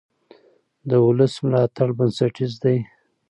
د ولس ملاتړ بنسټیز دی